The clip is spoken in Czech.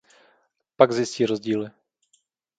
Pak zjistí rozdíly.